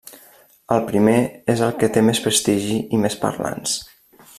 El primer és el que té més prestigi i més parlants.